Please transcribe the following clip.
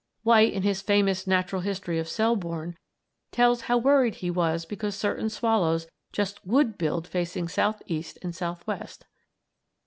White, in his famous "Natural History of Selbourne," tells how worried he was because certain swallows just would build facing southeast and southwest.